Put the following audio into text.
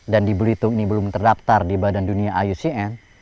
di belitung ini belum terdaftar di badan dunia iucn